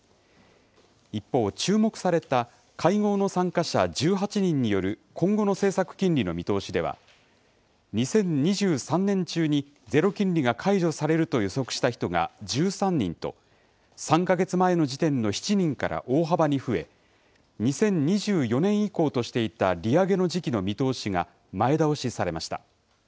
一方、注目された会合の参加者１８人による今後の政策金利の見通しでは、２０２３年中にゼロ金利が解除されると予測した人が１３人と、３か月前の時点の７人から大幅に増え、２０２４年以降としていた利上げの時期の見通しが前倒しされました。